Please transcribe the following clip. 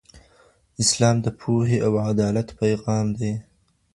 اسلام د پوهې او عدالت پيغام دی.